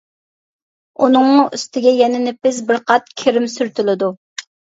ئۇنىڭمۇ ئۈستىگە يەنە نېپىز بىر قات كىرىم سۈرتۈلىدۇ.